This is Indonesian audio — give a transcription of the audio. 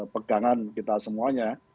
pegangan kita semuanya